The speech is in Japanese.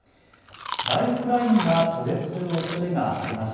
ライフラインが途絶するおそれがあります。